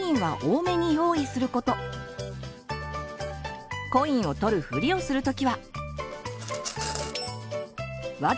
まずはコインを取るフリをする時は。